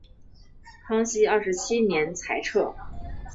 康熙二十七年裁撤。